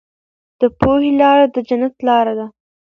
د پوهې لاره د جنت لاره ده.